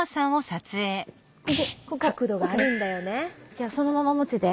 じゃあそのまま持ってて。